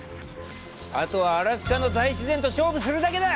あとはアラスカの大自然と勝負するだけだ！